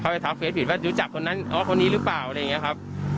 ว่ารู้จักคนนั้นคนนี้หรือเปล่าอะไรอย่างนี้ครับ